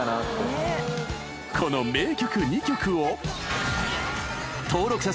この名曲２曲を登録者